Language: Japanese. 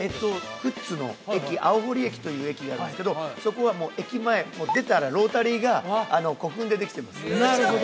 富津の駅青堀駅という駅があるんですけどそこはもう駅前出たらロータリーが古墳でできてます嘘！